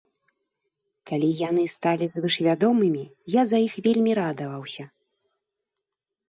Калі яны сталі звышвядомымі, я за іх вельмі радаваўся.